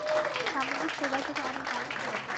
সামুদ্রিক শৈবাল থেকে অনেক ভালো।